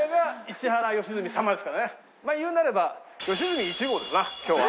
まあ言うなれば良純１号ですな今日は。